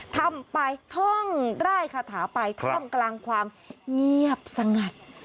ทำไปท่องร่ายคาถาไปท่ามกลางความเงียบสงัด